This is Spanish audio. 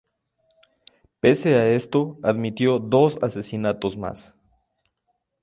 Pese a esto, admitió dos asesinatos más.